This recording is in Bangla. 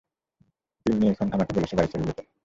তিন্নি এখন আমাকে বলছে বাড়ি ছেড়ে যেতে।